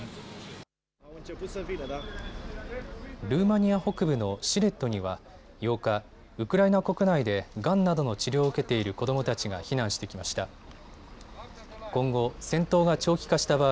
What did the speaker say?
ルーマニア北部のシレットには８日、ウクライナ国内でがんなどの治療を受けている子どもたちが避難してきました。